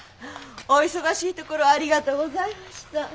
お忙しいところありがとうございました。